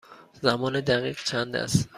زمان دقیق چند است؟